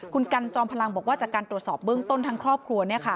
คุณกันจอมพลังบอกว่าจากการตรวจสอบเบื้องต้นทั้งครอบครัว